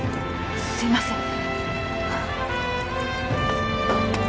すいません。